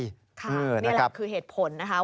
นี่แหละคือเหตุผลนะคะ